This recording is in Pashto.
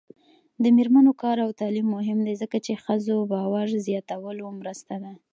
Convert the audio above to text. د میرمنو کار او تعلیم مهم دی ځکه چې ښځو باور زیاتولو مرسته ده.